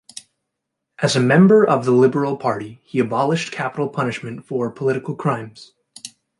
As a member of the Liberal Party, he abolished capital punishment for political crimes.